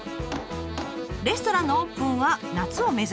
レストランのオープンは夏を目指しています。